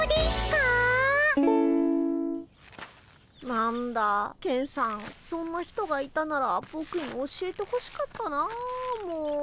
何だケンさんそんな人がいたならボクに教えてほしかったなあもう。